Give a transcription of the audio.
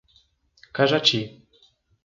Cajati